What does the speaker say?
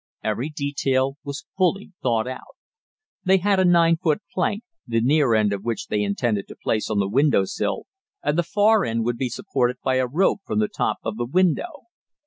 Every detail was fully thought out. They had a 9 foot plank, the near end of which they intended to place on the window sill, and the far end would be supported by a rope from the top of the window.